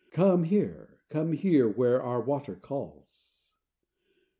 Come here, come here, where our water calls."